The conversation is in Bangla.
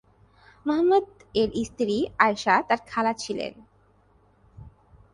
মুহাম্মদ এর স্ত্রী আয়েশা তার খালা ছিলেন।